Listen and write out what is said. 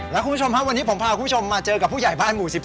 แล้วคุณผู้ชมครับวันนี้ผมพาคุณผู้ชมมาเจอกับผู้ใหญ่บ้านหมู่๑๒